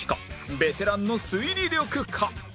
ベテランの推理力か？